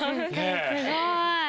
すごい。